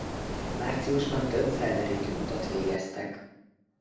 Márciusban több felderítő utat végeztek.